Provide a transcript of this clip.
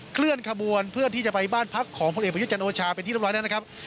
เคลื่อนขบวนเพื่อที่จะไปบ้านพักของพลเอกประยุทธ์จันโอชาเป็นที่เรียบร้อยแล้วนะครับ